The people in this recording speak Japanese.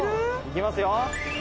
いきますよ。